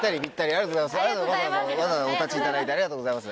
わざわざお立ちいただいてありがとうございます。